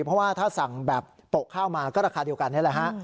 เพราะว่าถ้าสั่งแบบโปะข้าวมาก็ราคาเดียวกันนี่แหละฮะ